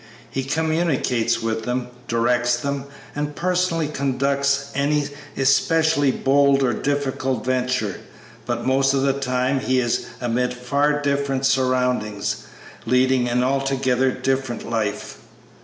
He communicates with them, directs them, and personally conducts any especially bold or difficult venture; but most of the time he is amid far different surroundings, leading an altogether different life."